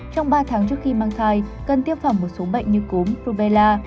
trong ba tháng trước khi mang thai cần tiêm phòng một số bệnh như cúm rubella